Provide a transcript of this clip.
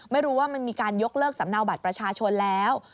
ไม่รู้ว่ามันมีการยกเลิกสำเนาบัตรประชาชนแล้ว